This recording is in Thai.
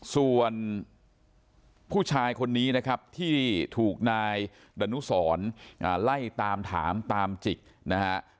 ส่วนผู้ชายคนนี้นะครับที่ถูกนายดนุสรไล่ตามถามตามจิกนะฮะ